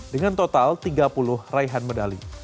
dengan total tiga puluh raihan medali